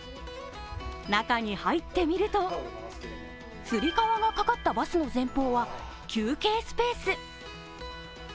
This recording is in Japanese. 中に入ってみるとつり革のかかったバスの前方は休憩スペース。